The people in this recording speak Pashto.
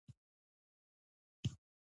ولسمشر په پیغام پسې د ترانې ټیم سندره وویله.